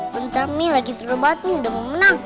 bentar mih lagi seru banget nih udah mau menang